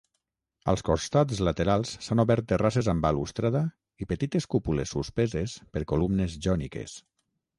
Als costats laterals s'han obert terrasses amb balustrada i petites cúpules suspeses per columnes jòniques.